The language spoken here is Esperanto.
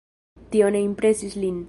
Tio ne impresis lin.